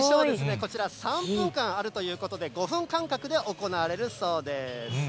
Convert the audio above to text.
こちら、３分間あるということで、５分間隔で行われるそうです。